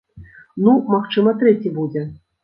Ну, магчыма трэці будзе.